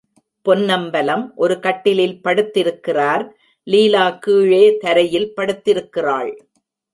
பொன்னம்பலம் ஒரு கட்டிலில் படுத்திருக்கிறார், லீலா கீழே தரையில் படுத்திருக்கிறாள்.